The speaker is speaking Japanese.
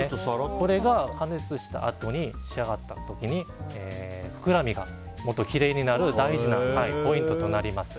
これが加熱したあと仕上がった時にふくらみがきれいになる大事なポイントとなります。